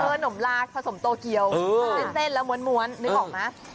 เออหนมราผสมโตเกียวเส้นแล้วม้วนนึกออกมั้ย